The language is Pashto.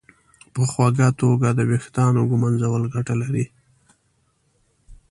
په خوږه توګه د ویښتانو ږمنځول ګټه لري.